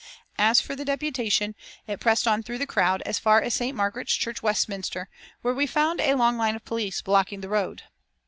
As for the deputation, it pressed on through the crowd as far as St. Margaret's Church, Westminster, where we found a long line of police blocking the road.